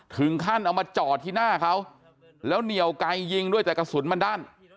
เอามาจอดที่หน้าเขาแล้วเหนียวไกลยิงด้วยแต่กระสุนมันด้าน